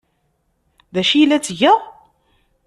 D acu ay la ttgeɣ?